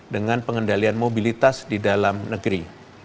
dengan pengendalian mobilitas di dalam negeri